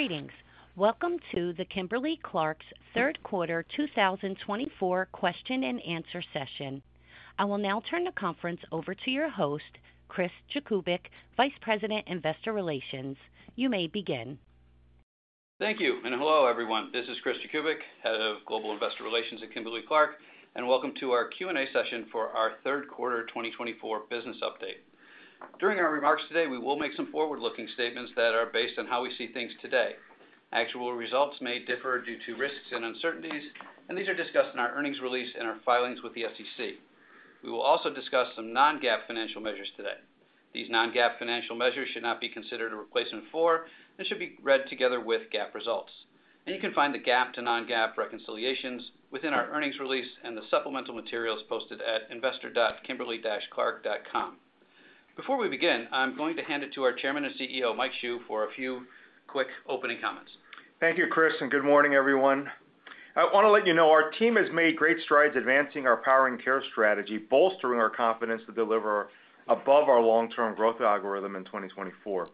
Greetings. Welcome to the Kimberly-Clark's Third Quarter 2024 Question and Answer session. I will now turn the conference over to your host, Chris Jakubik, Vice President, Investor Relations. You may begin. Thank you and hello, everyone. This is Chris Jakubik, Head of Global Investor Relations at Kimberly-Clark, and welcome to our Q&A session for our Third Quarter 2024 Business Update. During our remarks today, we will make some forward-looking statements that are based on how we see things today. Actual results may differ due to risks and uncertainties, and these are discussed in our earnings release and our filings with the SEC. We will also discuss some non-GAAP financial measures today. These non-GAAP financial measures should not be considered a replacement for and should be read together with GAAP results. You can find the GAAP to non-GAAP reconciliations within our earnings release and the supplemental materials posted at investor.kimberly-clark.com. Before we begin, I'm going to hand it to our Chairman and CEO, Mike Hsu, for a few quick opening comments. Thank you, Chris, and good morning, everyone. I want to let you know our team has made great strides advancing our Powering Care strategy, bolstering our confidence to deliver above our Long-Term Growth Algorithm in 2024.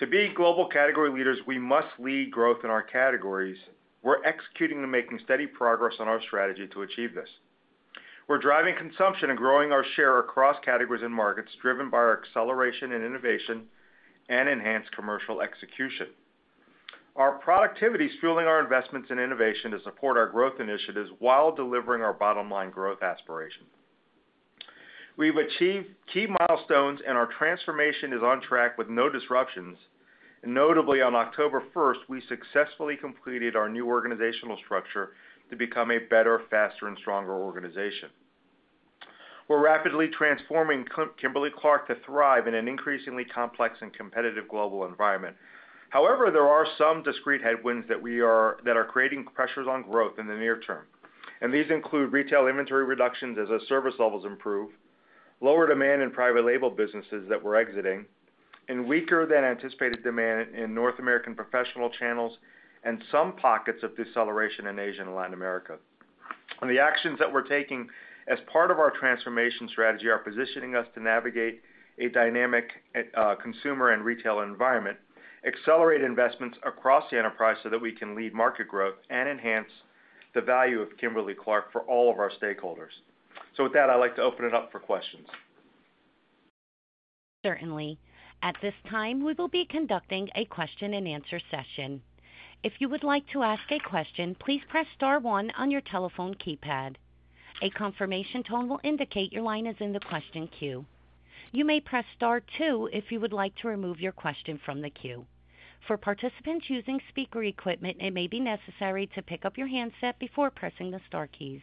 To be global category leaders, we must lead growth in our categories. We're executing and making steady progress on our strategy to achieve this. We're driving consumption and growing our share across categories and markets, driven by our acceleration in innovation and enhanced commercial execution. Our productivity is fueling our investments in innovation to support our growth initiatives while delivering our bottom-line growth aspirations. We've achieved key milestones, and our transformation is on track with no disruptions. Notably, on October 1st, we successfully completed our new organizational structure to become a better, faster, and stronger organization. We're rapidly transforming Kimberly-Clark to thrive in an increasingly complex and competitive global environment. However, there are some discrete headwinds that are creating pressures on growth in the near term, and these include retail inventory reductions as our service levels improve, lower demand in private label businesses that we're exiting, and weaker-than-anticipated demand in North American professional channels, and some pockets of deceleration in Asia and Latin America. On the actions that we're taking as part of our transformation strategy, we are positioning us to navigate a dynamic consumer and retail environment, accelerate investments across the enterprise so that we can lead market growth and enhance the value of Kimberly-Clark for all of our stakeholders, so with that, I'd like to open it up for questions. Certainly. At this time, we will be conducting a question-and-answer session. If you would like to ask a question, please press Star 1 on your telephone keypad. A confirmation tone will indicate your line is in the question queue. You may press Star 2 if you would like to remove your question from the queue. For participants using speaker equipment, it may be necessary to pick up your handset before pressing the Star keys.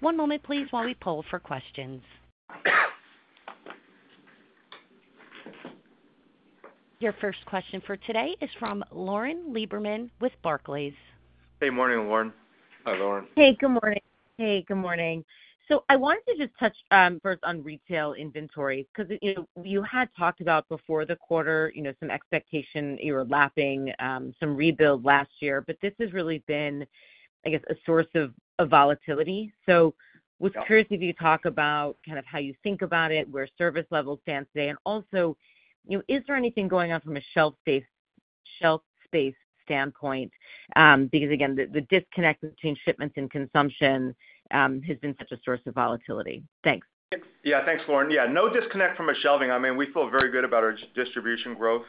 One moment, please, while we poll for questions. Your first question for today is from Lauren Lieberman with Barclays. Hey, morning, Lauren. Hi, Lauren. Hey, good morning. Hey, good morning. So I wanted to just touch first on retail inventory because you had talked about before the quarter, you know, some expectation, you were lapping some rebuild last year, but this has really been, I guess, a source of volatility. So I was curious if you could talk about kind of how you think about it, where service levels stand today, and also, you know, is there anything going on from a shelf space standpoint? Because, again, the disconnect between shipments and consumption has been such a source of volatility. Thanks. Yeah, thanks, Lauren. Yeah, no disconnect from a shelving. I mean, we feel very good about our distribution growth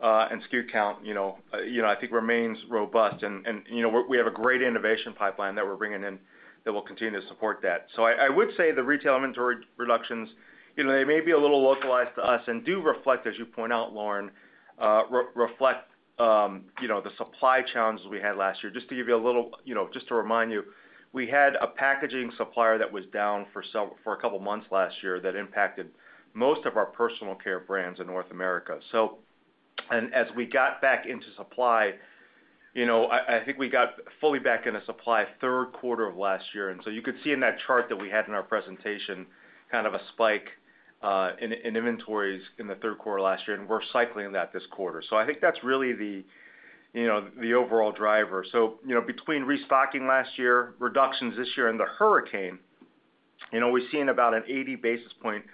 and SKU count, you know, I think remains robust. And, you know, we have a great innovation pipeline that we're bringing in that will continue to support that. So I would say the retail inventory reductions, you know, they may be a little localized to us and do reflect, as you point out, Lauren, you know, the supply challenges we had last year. Just to remind you, we had a packaging supplier that was down for a couple of months last year that impacted most of our personal care brands in North America. So, and as we got back into supply, you know, I think we got fully back into supply third quarter of last year. You could see in that chart that we had in our presentation kind of a spike in inventories in the third quarter last year, and we're cycling that this quarter. So I think that's really the, you know, the overall driver. So, you know, between restocking last year, reductions this year, and the hurricane, you know, we've seen about an 80 basis points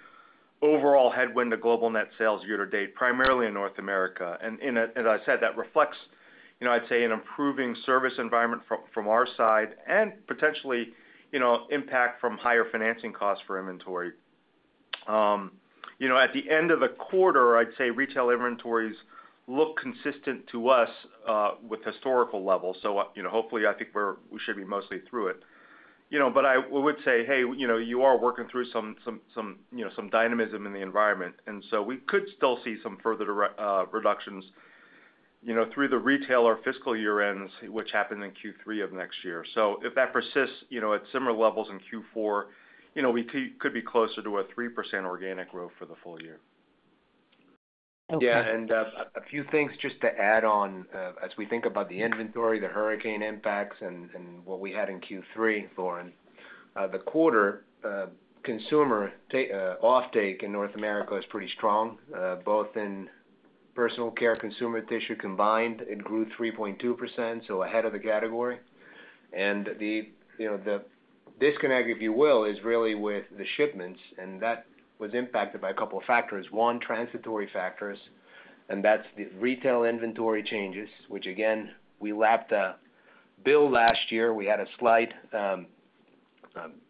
overall headwind to global net sales year to date, primarily in North America. And as I said, that reflects, you know, I'd say, an improving service environment from our side and potentially, you know, impact from higher financing costs for inventory. You know, at the end of the quarter, I'd say retail inventories look consistent to us with historical levels. So, you know, hopefully, I think we should be mostly through it. You know, but I would say, hey, you know, you are working through some, you know, some dynamism in the environment. And so we could still see some further reductions, you know, through the retailer fiscal year ends, which happen in Q3 of next year. So if that persists, you know, at similar levels in Q4, you know, we could be closer to a 3% organic growth for the full year. Yeah, and a few things just to add on as we think about the inventory, the hurricane impacts, and what we had in Q3, Lauren. The quarter consumer offtake in North America is pretty strong, both in personal care, consumer tissue combined. It grew 3.2%, so ahead of the category. And the, you know, the disconnect, if you will, is really with the shipments, and that was impacted by a couple of factors. One, transitory factors, and that's the retail inventory changes, which, again, we lapped a build last year. We had a slight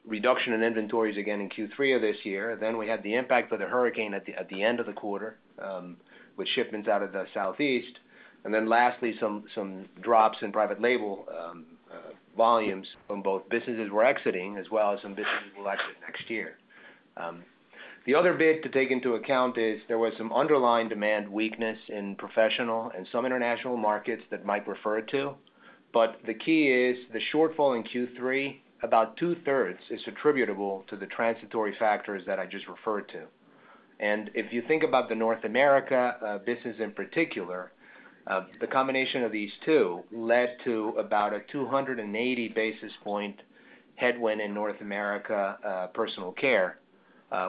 reduction in inventories again in Q3 of this year, then we had the impact of the hurricane at the end of the quarter with shipments out of the Southeast, and then lastly, some drops in Private Label volumes from both businesses we're exiting as well as some businesses we'll exit next year. The other bit to take into account is there was some underlying demand weakness in Professional and some international markets that I refer to, but the key is the shortfall in Q3, about two-thirds, is attributable to the transitory factors that I just referred to. If you think about the North America business in particular, the combination of these two led to about a 280 basis point headwind in North America Personal Care,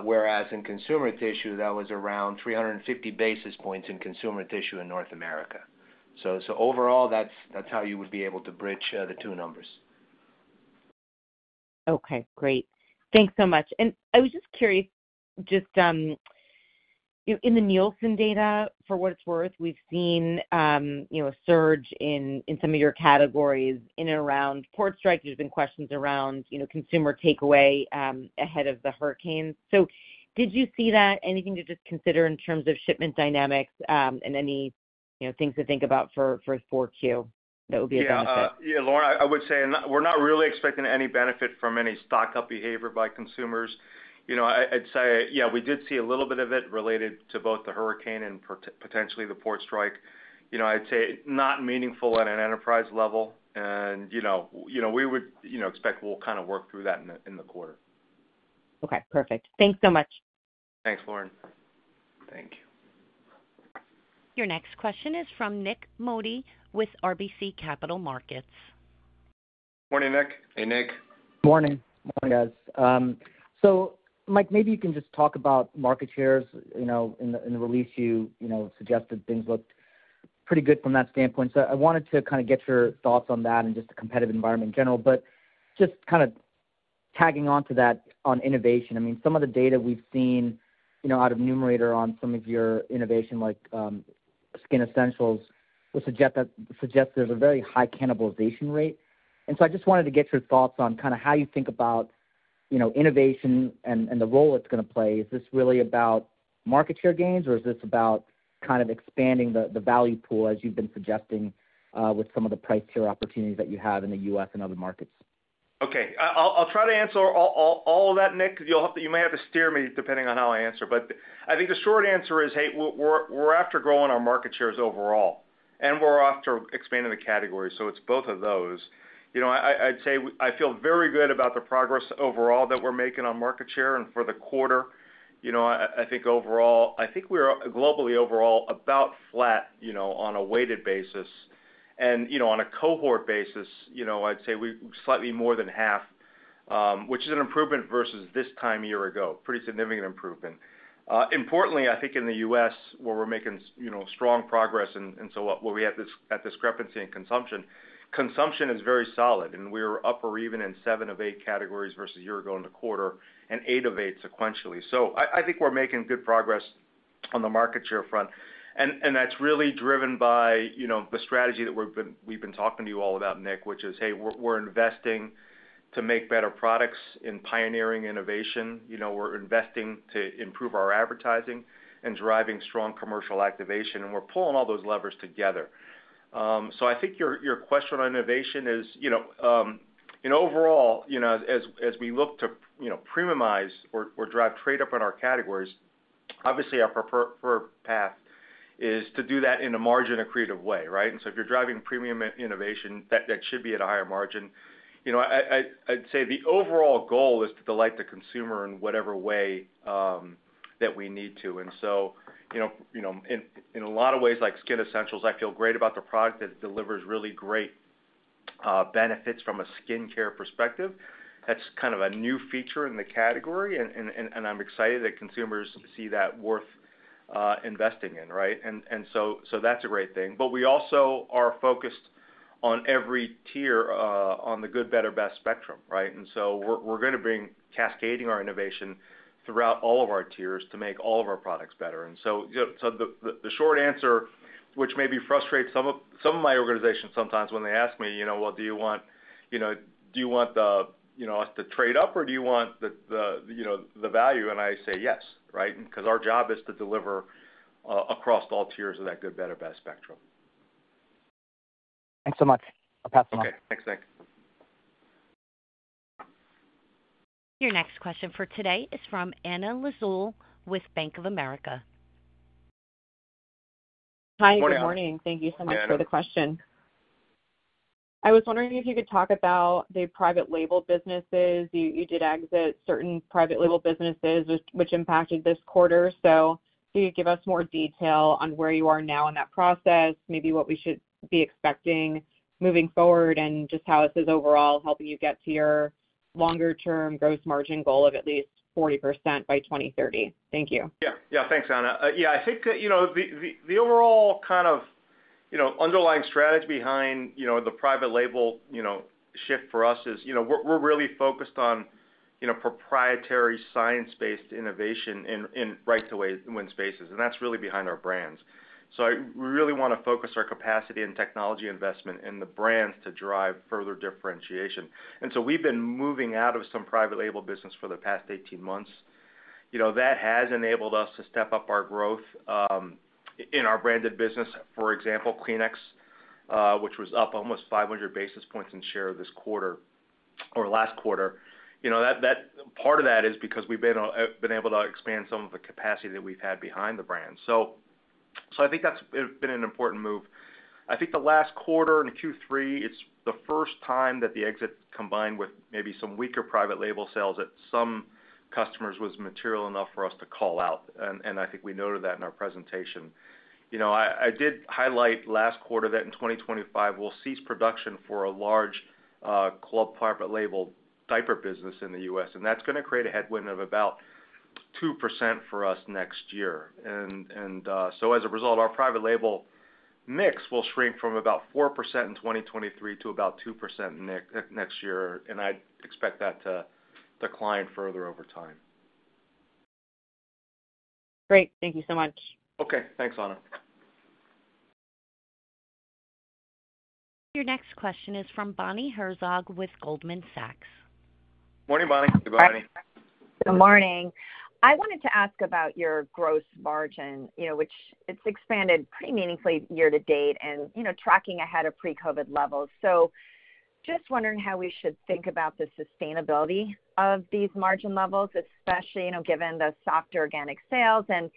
whereas in Consumer Tissue, that was around 350 basis points in Consumer Tissue in North America. Overall, that's how you would be able to bridge the two numbers. Okay, great. Thanks so much. And I was just curious, just in the Nielsen data, for what it's worth, we've seen, you know, a surge in some of your categories in and around port strikes. There's been questions around, you know, consumer takeaway ahead of the hurricane. So did you see that? Anything to just consider in terms of shipment dynamics and any, you know, things to think about for Q4? That would be a good answer. Yeah, Lauren, I would say we're not really expecting any benefit from any stock-up behavior by consumers. You know, I'd say, yeah, we did see a little bit of it related to both the hurricane and potentially the port strike. You know, I'd say not meaningful at an enterprise level. You know, we would, you know, expect we'll kind of work through that in the quarter. Okay, perfect. Thanks so much. Thanks, Lauren. Thank you. Your next question is from Nik Modi with RBC Capital Markets. Morning, Nick. Hey, Nick. Morning. Morning, guys. Mike, maybe you can just talk about market shares, you know, in the release you know suggested things looked pretty good from that standpoint. I wanted to kind of get your thoughts on that and just the competitive environment in general. Just kind of tagging on to that on innovation, I mean, some of the data we've seen, you know, out of Numerator on some of your innovation, like Skin Essentials, will suggest that there's a very high cannibalization rate. I just wanted to get your thoughts on kind of how you think about, you know, innovation and the role it's going to play. Is this really about market share gains, or is this about kind of expanding the value pool, as you've been suggesting, with some of the price tier opportunities that you have in the U.S. and other markets? Okay, I'll try to answer all of that, Nick, because you may have to steer me depending on how I answer, but I think the short answer is, hey, we're after growing our market shares overall, and we're after expanding the categories. So it's both of those. You know, I'd say I feel very good about the progress overall that we're making on market share and for the quarter. You know, I think overall, I think we're globally overall about flat, you know, on a weighted basis, and you know, on a cohort basis, you know, I'd say we're slightly more than half, which is an improvement versus this time year ago, pretty significant improvement. Importantly, I think in the U.S., where we're making, you know, strong progress, and so what we have this discrepancy in consumption. Consumption is very solid, and we were up or even in seven of eight categories versus a year ago in the quarter and eight of eight sequentially. So I think we're making good progress on the market share front, and that's really driven by, you know, the strategy that we've been talking to you all about, Nick, which is, hey, we're investing to make better products in pioneering innovation. You know, we're investing to improve our advertising and driving strong commercial activation, and we're pulling all those levers together. So I think your question on innovation is, you know, in overall, you know, as we look to, you know, premiumize or drive trade up on our categories, obviously, our preferred path is to do that in a margin-accretive way, right? And so if you're driving premium innovation, that should be at a higher margin. You know, I'd say the overall goal is to delight the consumer in whatever way that we need to. And so, you know, in a lot of ways, like Skin Essentials, I feel great about the product that delivers really great benefits from a skincare perspective. That's kind of a new feature in the category, and I'm excited that consumers see that worth investing in, right? And so that's a great thing. But we also are focused on every tier on the Good, Better, Best spectrum, right? And so we're going to be cascading our innovation throughout all of our tiers to make all of our products better. And so the short answer, which maybe frustrates some of my organization sometimes when they ask me, you know, well, do you want, you know, do you want us to trade up, or do you want the, you know, the value? And I say, yes, right? Because our job is to deliver across all tiers of that Good, Better, Best spectrum. Thanks so much. I'll pass it on. Okay, thanks, Nick. Your next question for today is from Anna Lizzul with Bank of America. Hi, good morning. Morning. Thank you so much for the question. I was wondering if you could talk about the private label businesses. You did exit certain private label businesses, which impacted this quarter. So if you could give us more detail on where you are now in that process, maybe what we should be expecting moving forward, and just how this is overall helping you get to your longer-term gross margin goal of at least 40% by 2030? Thank you. Yeah, yeah, thanks, Anna. Yeah, I think that, you know, the overall kind of, you know, underlying strategy behind, you know, the private label, you know, shift for us is, you know, we're really focused on, you know, proprietary science-based innovation in right-to-win spaces. And that's really behind our brands. So we really want to focus our capacity and technology investment in the brands to drive further differentiation. And so we've been moving out of some private label business for the past 18 months. You know, that has enabled us to step up our growth in our branded business, for example, Kleenex, which was up almost 500 basis points in share this quarter or last quarter. You know, that part of that is because we've been able to expand some of the capacity that we've had behind the brand. So I think that's been an important move. I think the last quarter in Q3, it's the first time that the exit combined with maybe some weaker private label sales at some customers was material enough for us to call out. And I think we noted that in our presentation. You know, I did highlight last quarter that in 2025, we'll cease production for a large club private label diaper business in the U.S. And that's going to create a headwind of about 2% for us next year. And so as a result, our private label mix will shrink from about 4% in 2023 to about 2% next year. And I expect that to decline further over time. Great. Thank you so much. Okay, thanks, Anna. Your next question is from Bonnie Herzog with Goldman Sachs. Morning, Bonnie. Good morning. I wanted to ask about your gross margin, you know, which it's expanded pretty meaningfully year to date and, you know, tracking ahead of pre-COVID levels, so just wondering how we should think about the sustainability of these margin levels, especially, you know, given the softer organic sales and,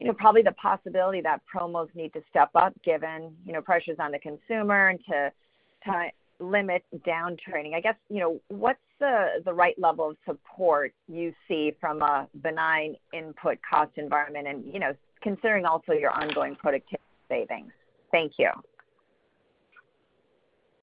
you know, probably the possibility that promos need to step up given, you know, pressures on the consumer and to limit downturning. I guess, you know, what's the right level of support you see from a benign input cost environment and, you know, considering also your ongoing productivity savings? Thank you.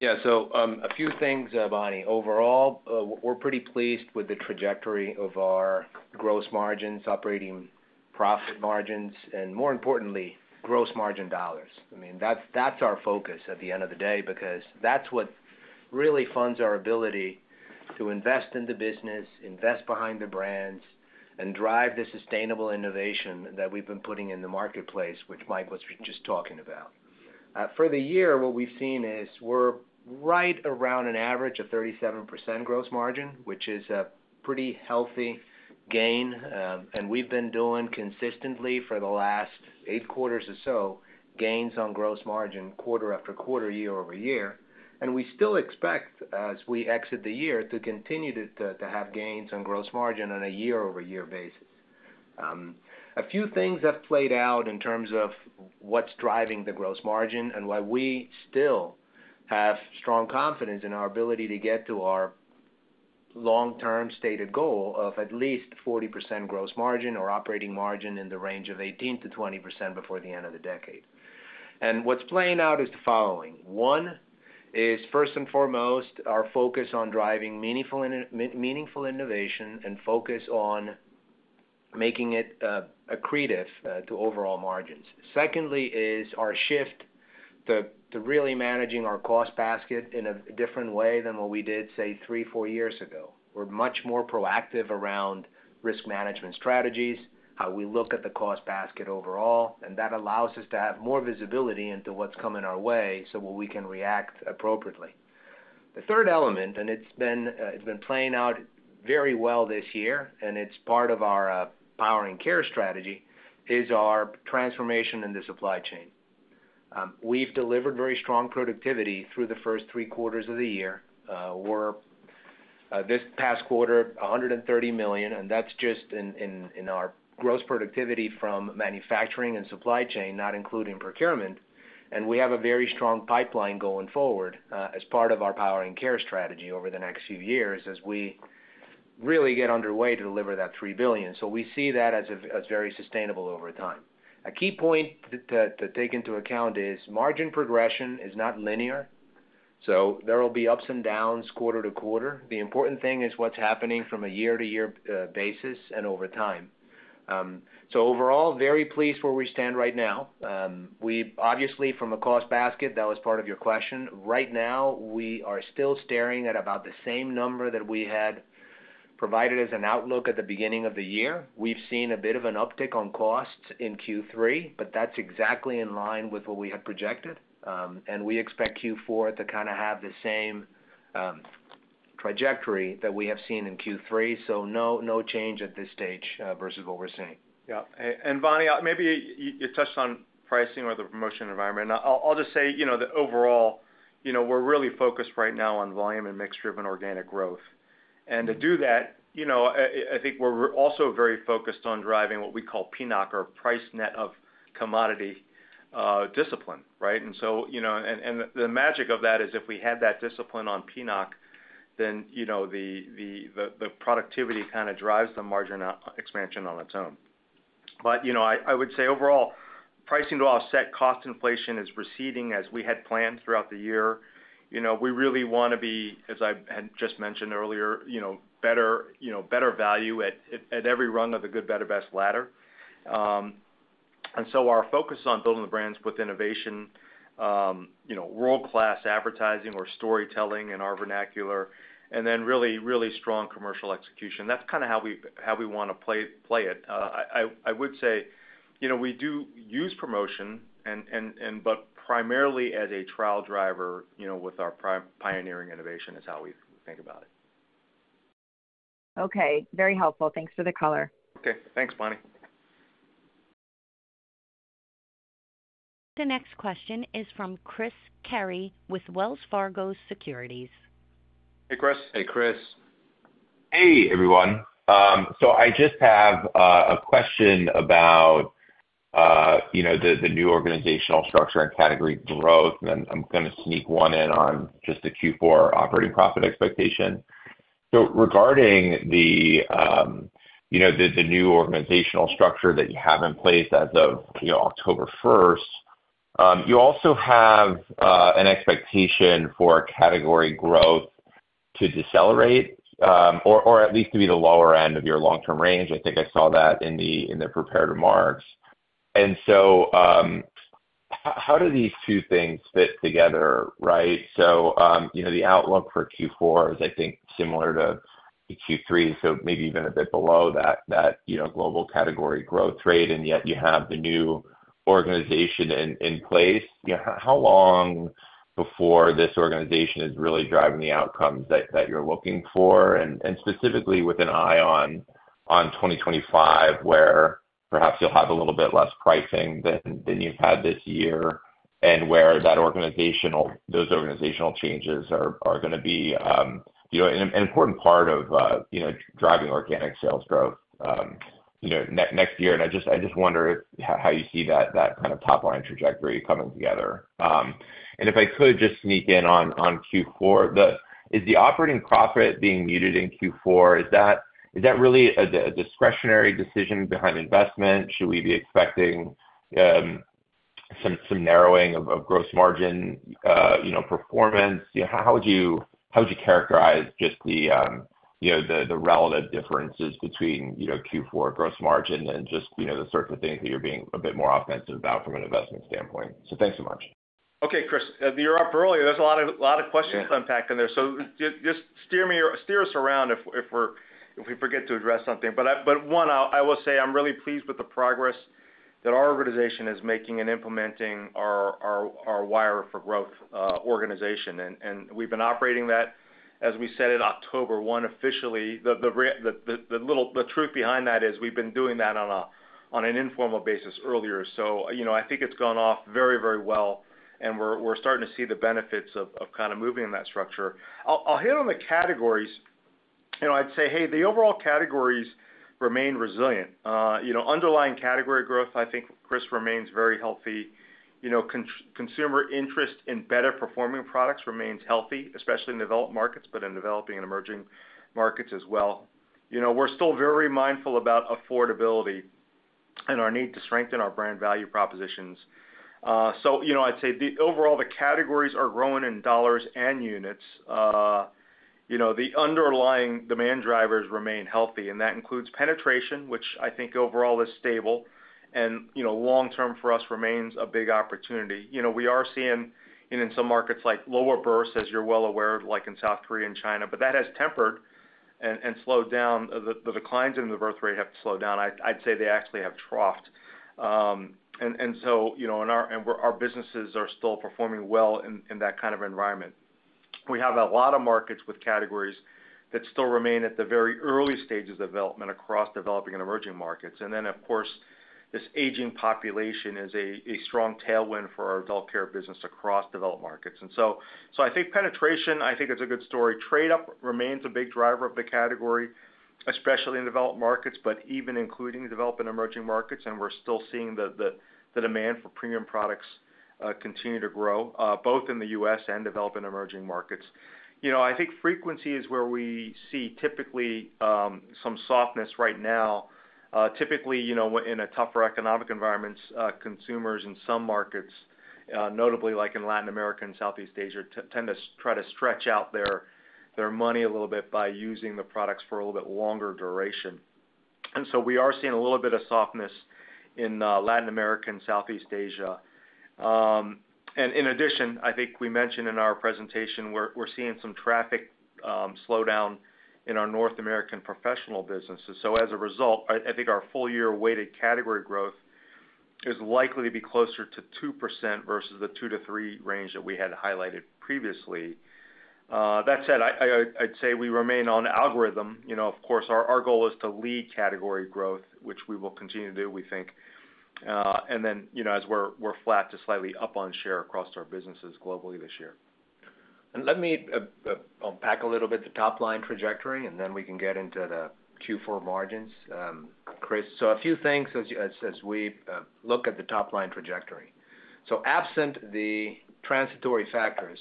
Yeah, so a few things, Bonnie. Overall, we're pretty pleased with the trajectory of our gross margins, operating profit margins, and more importantly, gross margin dollars. I mean, that's our focus at the end of the day because that's what really funds our ability to invest in the business, invest behind the brands, and drive the sustainable innovation that we've been putting in the marketplace, which Mike was just talking about. For the year, what we've seen is we're right around an average of 37% gross margin, which is a pretty healthy gain. And we've been doing consistently for the last eight quarters or so gains on gross margin quarter after quarter, year over year. And we still expect, as we exit the year, to continue to have gains on gross margin on a year-over-year basis. A few things have played out in terms of what's driving the gross margin and why we still have strong confidence in our ability to get to our long-term stated goal of at least 40% gross margin or operating margin in the range of 18%-20% before the end of the decade. And what's playing out is the following. One is, first and foremost, our focus on driving meaningful innovation and focus on making it accretive to overall margins. Secondly is our shift to really managing our cost basket in a different way than what we did, say, three, four years ago. We're much more proactive around risk management strategies, how we look at the cost basket overall, and that allows us to have more visibility into what's coming our way so we can react appropriately. The third element, and it's been playing out very well this year, and it's part of our Powering Care strategy, is our transformation in the supply chain. We've delivered very strong productivity through the first three quarters of the year. We're, this past quarter, $130 million, and that's just in our gross productivity from manufacturing and supply chain, not including procurement. And we have a very strong pipeline going forward as part of our Powering Care strategy over the next few years as we really get underway to deliver that $3 billion. So we see that as very sustainable over time. A key point to take into account is margin progression is not linear. So there will be ups and downs quarter to quarter. The important thing is what's happening from a year-to-year basis and over time. So overall, very pleased where we stand right now. We obviously, from a cost basket, that was part of your question. Right now, we are still staring at about the same number that we had provided as an outlook at the beginning of the year. We've seen a bit of an uptick on costs in Q3, but that's exactly in line with what we had projected, and we expect Q4 to kind of have the same trajectory that we have seen in Q3, so no change at this stage versus what we're seeing. Yeah, and Bonnie, maybe you touched on pricing or the promotion environment. I'll just say, you know, the overall, you know, we're really focused right now on volume and mixed-driven organic growth, and to do that, you know, I think we're also very focused on driving what we call PNOC, or Price Net of Commodity Discipline, right, and so, you know, and the magic of that is if we had that discipline on PNOC, then, you know, the productivity kind of drives the margin expansion on its own, but, you know, I would say overall, pricing to offset cost inflation is receding as we had planned throughout the year. You know, we really want to be, as I had just mentioned earlier, you know, better, you know, better value at every rung of the Good, Better, Best ladder. Our focus on building the brands with innovation, you know, world-class advertising or storytelling in our vernacular, and then really, really strong commercial execution. That's kind of how we want to play it. I would say, you know, we do use promotion, but primarily as a trial driver, you know, with our pioneering innovation is how we think about it. Okay, very helpful. Thanks for the color. Okay, thanks, Bonnie. The next question is from Chris Carey with Wells Fargo Securities. Hey, Chris. Hey, Chris. Hey, everyone. So I just have a question about, you know, the new organizational structure and category growth. And I'm going to sneak one in on just the Q4 operating profit expectation. So regarding the, you know, the new organizational structure that you have in place as of, you know, October 1st, you also have an expectation for category growth to decelerate or at least to be the lower end of your long-term range. I think I saw that in the prepared remarks. And so how do these two things fit together, right? So, you know, the outlook for Q4 is, I think, similar to Q3, so maybe even a bit below that, you know, global category growth rate, and yet you have the new organization in place. You know, how long before this organization is really driving the outcomes that you're looking for? And specifically with an eye on 2025, where perhaps you'll have a little bit less pricing than you've had this year, and where those organizational changes are going to be an important part of, you know, driving organic sales growth, you know, next year. And I just wonder how you see that kind of top-line trajectory coming together. And if I could just sneak in on Q4, is the operating profit being needed in Q4? Is that really a discretionary decision behind investment? Should we be expecting some narrowing of gross margin, you know, performance? How would you characterize just the, you know, the relative differences between, you know, Q4 gross margin and just, you know, the sorts of things that you're being a bit more offensive about from an investment standpoint? So thanks so much. Okay, Chris, you're up early. There's a lot of questions unpacked in there. So just steer us around if we forget to address something, but one, I will say I'm really pleased with the progress that our organization is making and implementing our Wire for Growth organization, and we've been operating that, as we said in October 1, officially. The truth behind that is we've been doing that on an informal basis earlier, so you know, I think it's gone off very, very well, and we're starting to see the benefits of kind of moving that structure. I'll hit on the categories. You know, I'd say, hey, the overall categories remain resilient. You know, underlying category growth, I think, Chris, remains very healthy. You know, consumer interest in better performing products remains healthy, especially in developed markets, but in developing and emerging markets as well. You know, we're still very mindful about affordability and our need to strengthen our brand value propositions, so you know, I'd say overall, the categories are growing in dollars and units. You know, the underlying demand drivers remain healthy, and that includes penetration, which I think overall is stable, and you know, long-term for us remains a big opportunity. You know, we are seeing in some markets like lower births, as you're well aware, like in South Korea and China, but that has tempered and slowed down. The declines in the birth rate have slowed down. I'd say they actually have troughed, and so you know, our businesses are still performing well in that kind of environment. We have a lot of markets with categories that still remain at the very early stages of development across developing and emerging markets. And then, of course, this aging population is a strong tailwind for our adult care business across developed markets. And so I think penetration, I think it's a good story. Trade-up remains a big driver of the category, especially in developed markets, but even including developed and emerging markets. And we're still seeing the demand for premium products continue to grow, both in the U.S. and developed and emerging markets. You know, I think frequency is where we see typically some softness right now. Typically, you know, in a tougher economic environment, consumers in some markets, notably like in Latin America and Southeast Asia, tend to try to stretch out their money a little bit by using the products for a little bit longer duration. And so we are seeing a little bit of softness in Latin America and Southeast Asia. And in addition, I think we mentioned in our presentation, we're seeing some traffic slowdown in our North American professional businesses. So as a result, I think our full-year weighted category growth is likely to be closer to 2% versus the 2%-3% range that we had highlighted previously. That said, I'd say we remain on algorithm. You know, of course, our goal is to lead category growth, which we will continue to do, we think. And then, you know, as we're flat to slightly up on share across our businesses globally this year. And let me unpack a little bit the top-line trajectory, and then we can get into the Q4 margins, Chris. So a few things as we look at the top-line trajectory. So absent the transitory factors,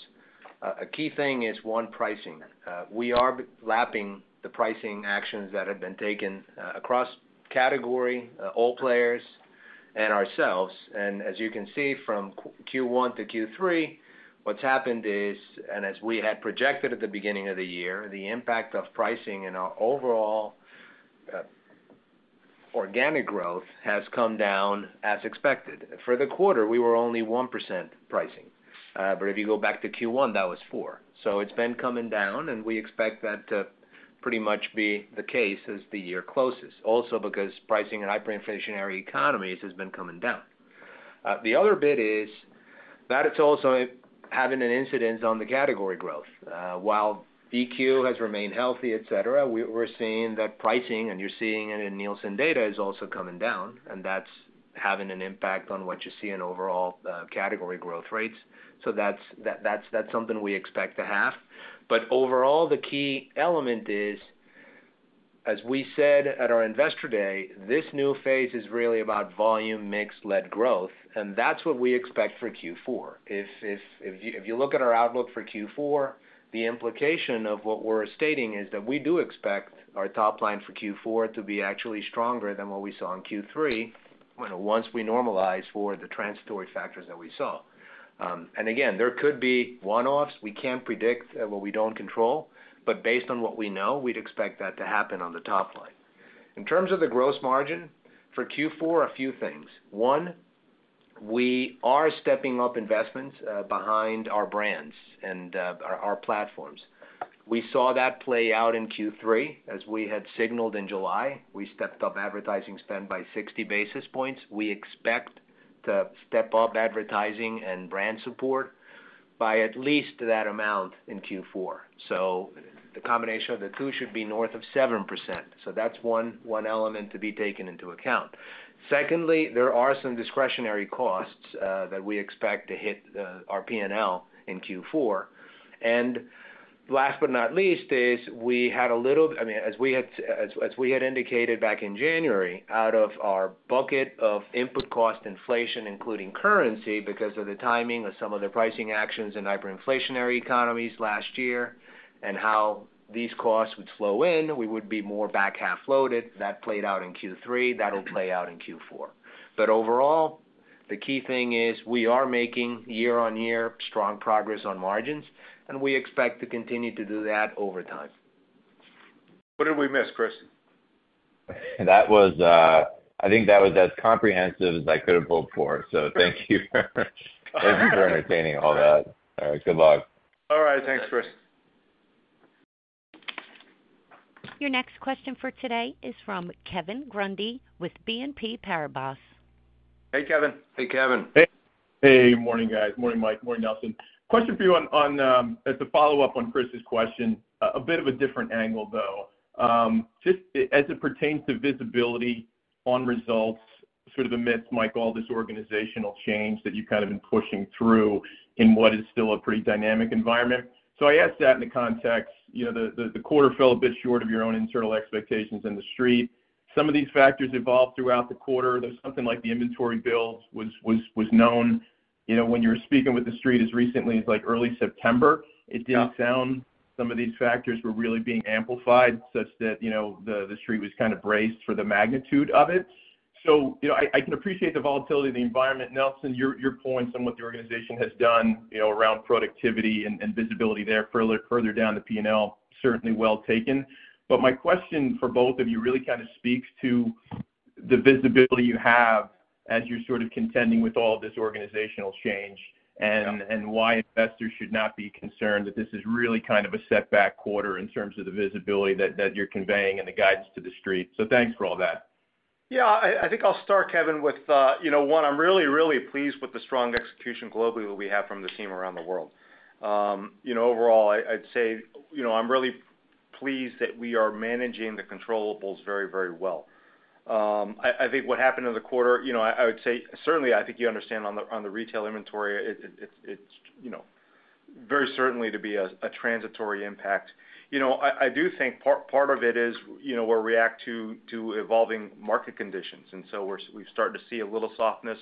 a key thing is, one, pricing. We are lapping the pricing actions that have been taken across category, all players, and ourselves. And as you can see from Q1 to Q3, what's happened is, and as we had projected at the beginning of the year, the impact of pricing and our overall organic growth has come down as expected. For the quarter, we were only 1% pricing. But if you go back to Q1, that was 4%. So it's been coming down, and we expect that to pretty much be the case as the year closes, also because pricing in hyperinflationary economies has been coming down. The other bit is that it's also having an incidence on the category growth. While EQ has remained healthy, etc., we're seeing that pricing, and you're seeing it in Nielsen data, is also coming down. And that's having an impact on what you see in overall category growth rates. So that's something we expect to have. But overall, the key element is, as we said at our investor day, this new phase is really about volume mixed-led growth. And that's what we expect for Q4. If you look at our outlook for Q4, the implication of what we're stating is that we do expect our top line for Q4 to be actually stronger than what we saw in Q3 once we normalize for the transitory factors that we saw. And again, there could be one-offs. We can't predict what we don't control. But based on what we know, we'd expect that to happen on the top line. In terms of the gross margin for Q4, a few things. One, we are stepping up investments behind our brands and our platforms. We saw that play out in Q3, as we had signaled in July. We stepped up advertising spend by 60 basis points. We expect to step up advertising and brand support by at least that amount in Q4. So the combination of the two should be north of 7%. So that's one element to be taken into account. Secondly, there are some discretionary costs that we expect to hit our P&L in Q4. And last but not least is we had a little, I mean, as we had indicated back in January, out of our bucket of input cost inflation, including currency, because of the timing of some of the pricing actions in hyperinflationary economies last year and how these costs would flow in, we would be more back half loaded. That played out in Q3. That'll play out in Q4, but overall, the key thing is we are making year-on-year strong progress on margins, and we expect to continue to do that over time. What did we miss, Chris? That was, I think that was as comprehensive as I could have hoped for. So thank you for entertaining all that. All right, good luck. All right, thanks, Chris. Your next question for today is from Kevin Grundy with BNP Paribas. Hey, Kevin. Hey, Kevin. Hey. Hey, morning, guys. Morning, Mike. Morning, Nelson. Question for you on, as a follow-up on Chris's question, a bit of a different angle, though, just as it pertains to visibility on results, sort of amidst, Mike, all this organizational change that you've kind of been pushing through in what is still a pretty dynamic environment. So I asked that in the context, you know, the quarter fell a bit short of your own internal expectations and the street. Some of these factors evolved throughout the quarter. There's something like the inventory builds was known, you know, when you were speaking with the street as recently as like early September. It didn't sound like some of these factors were really being amplified such that, you know, the street was kind of braced for the magnitude of it. So, you know, I can appreciate the volatility of the environment. Nelson, your point on what the organization has done, you know, around productivity and visibility there further down the P&L, certainly well taken. But my question for both of you really kind of speaks to the visibility you have as you're sort of contending with all this organizational change and why investors should not be concerned that this is really kind of a setback quarter in terms of the visibility that you're conveying and the guidance to the street. So thanks for all that. Yeah, I think I'll start, Kevin, with, you know, one, I'm really, really pleased with the strong execution globally that we have from the team around the world. You know, overall, I'd say, you know, I'm really pleased that we are managing the controllable very, very well. I think what happened in the quarter, you know, I would say certainly I think you understand on the retail inventory. It's, you know, very certainly to be a transitory impact. You know, I do think part of it is, you know, we'll react to evolving market conditions, and so we've started to see a little softness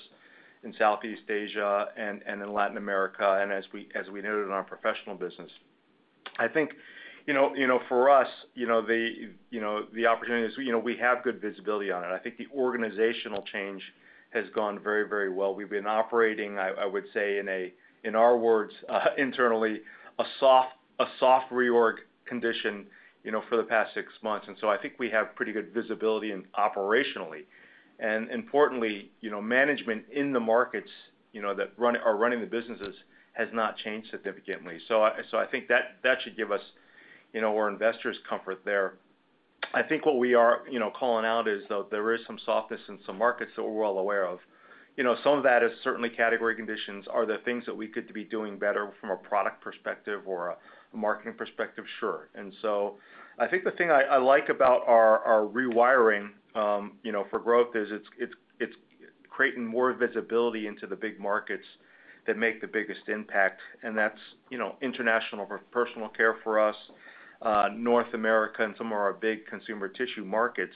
in Southeast Asia and in Latin America. As we noted in our professional business, I think, you know, for us, you know, the opportunities, you know, we have good visibility on it. I think the organizational change has gone very, very well. We've been operating, I would say, in our words, internally, a soft reorg condition, you know, for the past six months, and so I think we have pretty good visibility operationally. Importantly, you know, management in the markets, you know, that are running the businesses has not changed significantly. So I think that should give us, you know, our investors comfort there. I think what we are, you know, calling out is that there is some softness in some markets that we're well aware of. You know, some of that is certainly category conditions are the things that we could be doing better from a product perspective or a marketing perspective, sure. And so I think the thing I like about our Wire for Growth is it's creating more visibility into the big markets that make the biggest impact. And that's, you know, international for personal care for us, North America, and some of our big consumer tissue markets.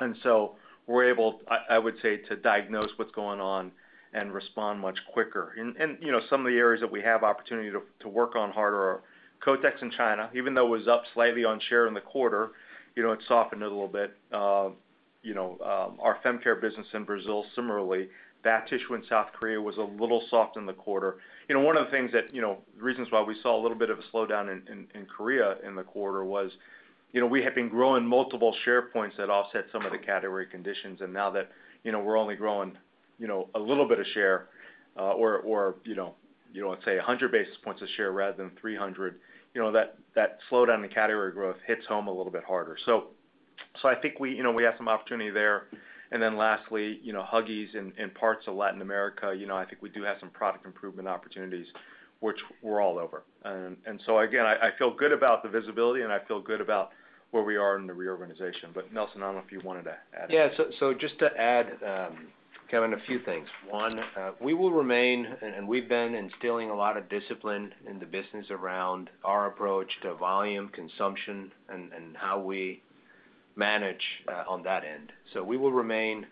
And so we're able, I would say, to diagnose what's going on and respond much quicker. You know, some of the areas that we have opportunity to work on harder are Kotex in China, even though it was up slightly on share in the quarter, you know, it softened a little bit. You know, our Femcare business in Brazil, similarly, that tissue in South Korea was a little soft in the quarter. You know, one of the things that, you know, the reasons why we saw a little bit of a slowdown in Korea in the quarter was, you know, we have been growing multiple share points that offset some of the category conditions. And now that, you know, we're only growing, you know, a little bit of share or, you know, you know, let's say 100 basis points of share rather than 300, you know, that slowdown in category growth hits home a little bit harder. So I think we, you know, we have some opportunity there, and then lastly, you know, Huggies in parts of Latin America, you know, I think we do have some product improvement opportunities, which we're all over, and so, again, I feel good about the visibility, and I feel good about where we are in the reorganization, but Nelson, I don't know if you wanted to add. Yeah, so just to add, Kevin, a few things. One, we will remain, and we've been instilling a lot of discipline in the business around our approach to volume, consumption, and how we manage on that end, so we will remain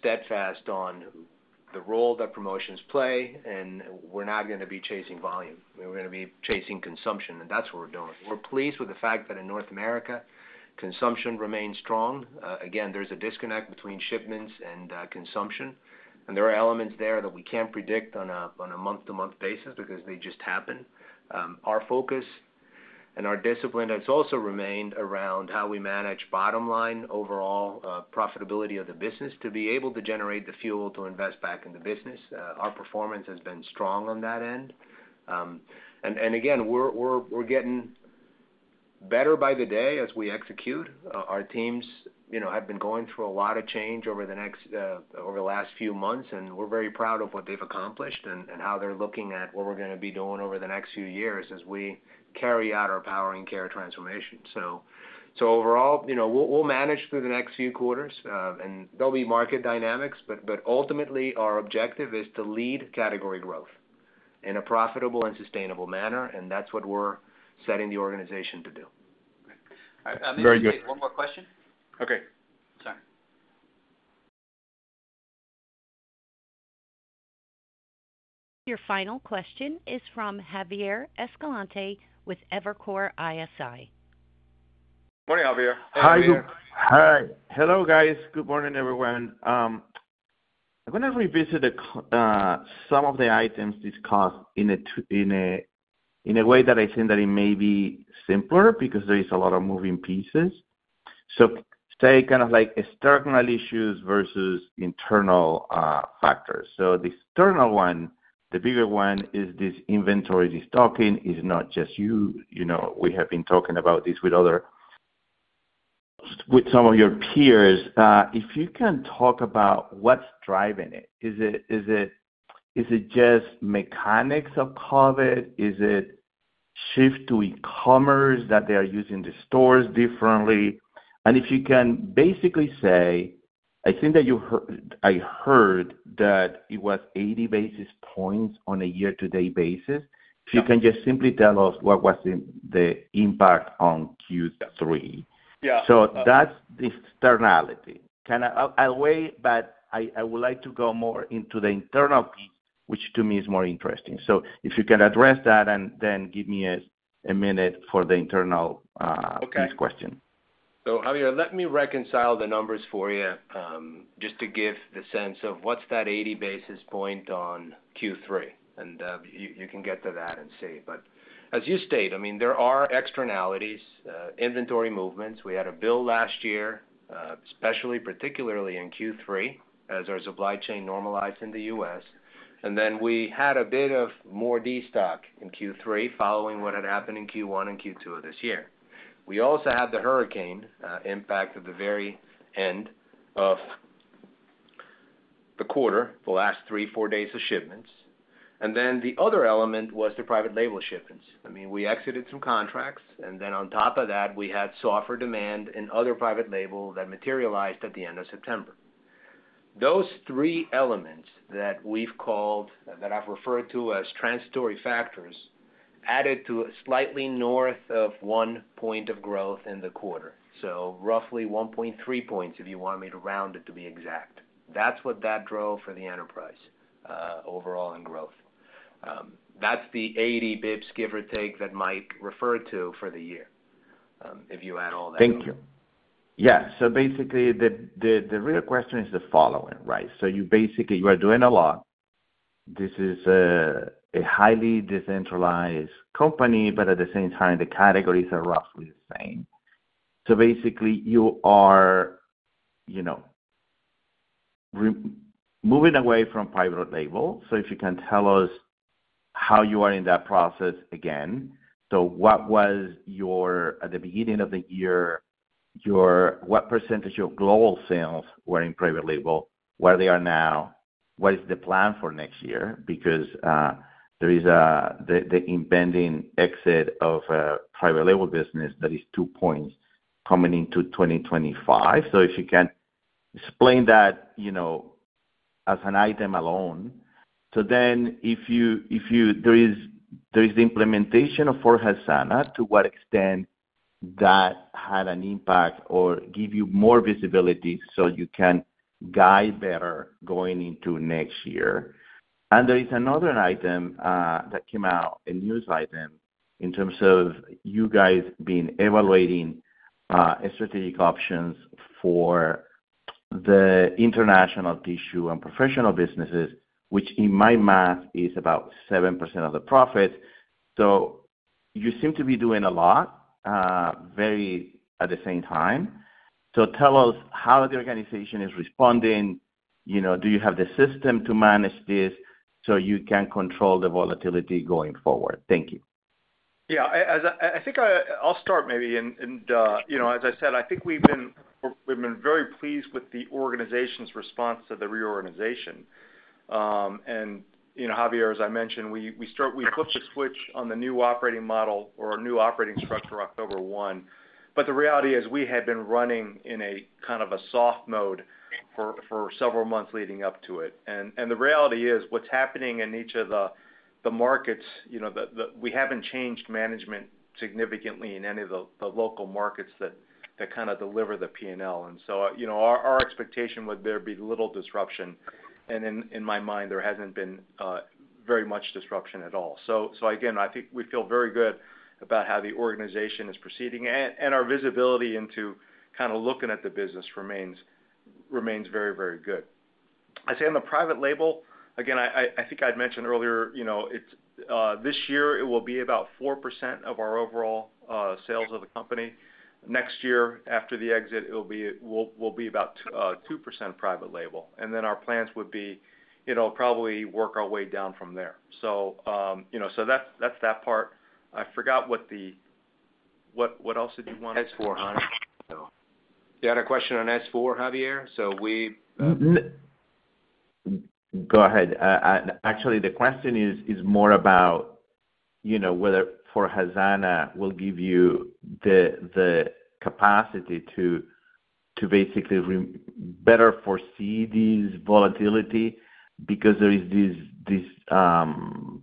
steadfast on the role that promotions play, and we're not going to be chasing volume. We're going to be chasing consumption, and that's what we're doing. We're pleased with the fact that in North America, consumption remains strong. Again, there's a disconnect between shipments and consumption, and there are elements there that we can't predict on a month-to-month basis because they just happen. Our focus and our discipline has also remained around how we manage bottom line, overall profitability of the business to be able to generate the fuel to invest back in the business. Our performance has been strong on that end. And again, we're getting better by the day as we execute. Our teams, you know, have been going through a lot of change over the last few months. And we're very proud of what they've accomplished and how they're looking at what we're going to be doing over the next few years as we carry out our Powering Care transformation. So overall, you know, we'll manage through the next few quarters. And there'll be market dynamics. But ultimately, our objective is to lead category growth in a profitable and sustainable manner. And that's what we're setting the organization to do. Very good. One more question. Okay. Sorry. Your final question is from Javier Escalante with Evercore ISI. Morning, Javier. Hi. Hi. Hello, guys. Good morning, everyone. I'm going to revisit some of the items discussed in a way that I think that it may be simpler because there is a lot of moving pieces. So say kind of like external issues versus internal factors. So the external one, the bigger one is this inventory destocking is not just you. You know, we have been talking about this with some of your peers. If you can talk about what's driving it, is it just mechanics of COVID? Is it a shift to e-commerce that they are using the stores differently? And if you can basically say, I think that I heard that it was 80 basis points on a year-to-date basis. If you can just simply tell us what was the impact on Q3. Yeah. So that's the externality. Kind of a way, but I would like to go more into the internal piece, which to me is more interesting. So if you can address that and then give me a minute for the internal question. Javier, let me reconcile the numbers for you just to give the sense of what's that 80 basis point on Q3. And you can get to that and see. But as you state, I mean, there are externalities, inventory movements. We had a build last year, especially particularly in Q3 as our supply chain normalized in the U.S. And then we had a bit of more destock in Q3 following what had happened in Q1 and Q2 of this year. We also had the hurricane impact at the very end of the quarter, the last three, four days of shipments. And then the other element was the private label shipments. I mean, we exited some contracts. And then on top of that, we had softer demand in other private label that materialized at the end of September. Those three elements that we've called, that I've referred to as transitory factors, added to slightly north of one point of growth in the quarter. So roughly 1.3 points if you want me to round it to be exact. That's what that drove for the enterprise overall in growth. That's the 80 basis points, give or take, that Mike referred to for the year if you add all that. Thank you. Yeah. So basically, the real question is the following, right? So you basically, you are doing a lot. This is a highly decentralized company, but at the same time, the categories are roughly the same. So basically, you are, you know, moving away from private label. So if you can tell us how you are in that process again? So what was your, at the beginning of the year, what percentage of global sales were in private label? Where they are now? What is the plan for next year? Because there is the impending exit of a private label business that is two points coming into 2025. So if you can explain that, you know, as an item alone? So then if you, there is the implementation of SAPS/4HANA, to what extent that had an impact or gave you more visibility so you can guide better going into next year. And there is another item that came out, a news item in terms of you guys being evaluating strategic options for the international tissue and professional businesses, which in my math is about seven% of the profit. So you seem to be doing a lot very at the same time. So tell us how the organization is responding. You know, do you have the system to manage this so you can control the volatility going forward? Thank you. Yeah, I think I'll start maybe. And, you know, as I said, I think we've been very pleased with the organization's response to the reorganization. And, you know, Javier, as I mentioned, we put the switch on the new operating model or new operating structure October 1. But the reality is we had been running in a kind of a soft mode for several months leading up to it. And the reality is what's happening in each of the markets, you know, we haven't changed management significantly in any of the local markets that kind of deliver the P&L. And so, you know, our expectation would there be little disruption. And in my mind, there hasn't been very much disruption at all. So again, I think we feel very good about how the organization is proceeding. And our visibility into kind of looking at the business remains very, very good. I'd say on the Private Label, again, I think I'd mentioned earlier, you know, this year it will be about 4% of our overall sales of the company. Next year after the exit, it will be about 2% Private Label. And then our plans would be, you know, probably work our way down from there. So, you know, so that's that part. I forgot what else did you want to ask for, huh? You had a question on S/4HANA, Javier? Go ahead. Actually, the question is more about, you know, whether S/4HANA will give you the capacity to basically better foresee this volatility because there is this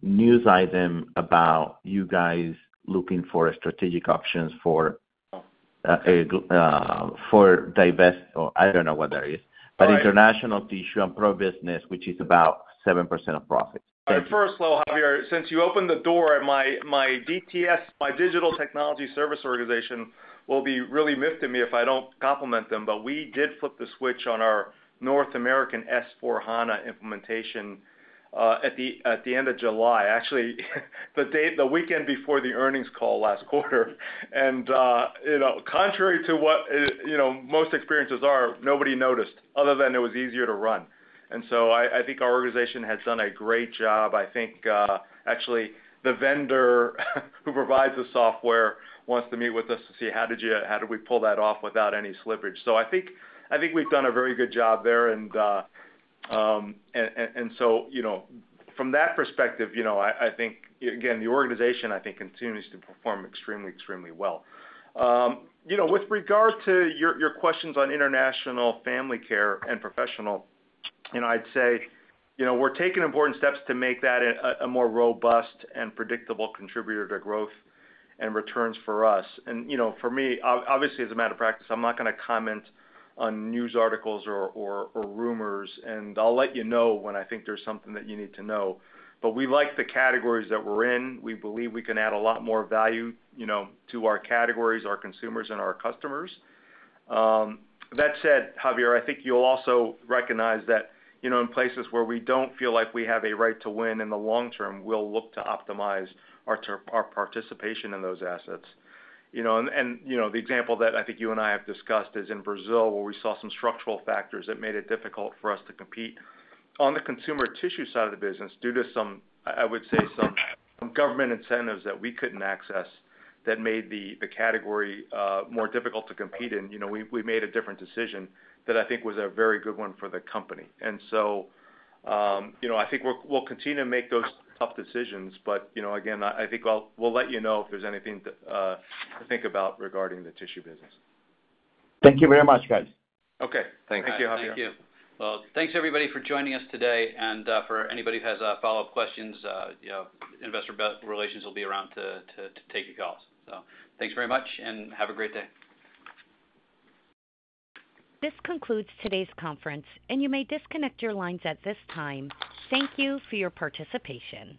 news item about you guys looking for strategic options for, I don't know what that is, but international tissue and Professional business, which is about 7% of profit. First, though, Javier, since you opened the door, my DTS, my Digital Technology Services organization, I will be remiss if I don't compliment them, but we did flip the switch on our North American S/4HANA implementation at the end of July, actually the weekend before the earnings call last quarter, and you know, contrary to what, you know, most experiences are, nobody noticed other than it was easier to run, and so I think our organization had done a great job. I think actually the vendor who provides the software wants to meet with us to see how did we pull that off without any slippage. So I think we've done a very good job there, and so, you know, from that perspective, you know, I think, again, the organization, I think, continues to perform extremely, extremely well. You know, with regard to your questions on international family care and professional, you know, I'd say, you know, we're taking important steps to make that a more robust and predictable contributor to growth and returns for us, and you know, for me, obviously, as a matter of practice, I'm not going to comment on news articles or rumors, and I'll let you know when I think there's something that you need to know, but we like the categories that we're in. We believe we can add a lot more value, you know, to our categories, our consumers, and our customers. That said, Javier, I think you'll also recognize that, you know, in places where we don't feel like we have a right to win in the long term, we'll look to optimize our participation in those assets. You know, and, you know, the example that I think you and I have discussed is in Brazil where we saw some structural factors that made it difficult for us to compete on the consumer tissue side of the business due to some, I would say, some government incentives that we couldn't access that made the category more difficult to compete in. You know, we made a different decision that I think was a very good one for the company. And so, you know, I think we'll continue to make those tough decisions. But, you know, again, I think we'll let you know if there's anything to think about regarding the tissue business. Thank you very much, guys. Okay. Thank you, Javier. Thank you. Thanks, everybody, for joining us today. For anybody who has follow-up questions, you know, Investor Relations will be around to take your calls. Thanks very much and have a great day. This concludes today's conference, and you may disconnect your lines at this time. Thank you for your participation.